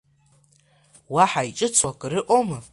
Уаҳа иҿыцу акыр ыҟоума?